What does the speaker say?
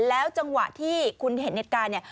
แล้วจังหวะที่คุณเห็นเหตุการณ์เนี่ย